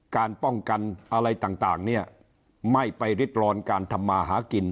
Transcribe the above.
การป้องกันอะไรต่างเนี่ยไม่ไปริดร้อนการทำมาหากิน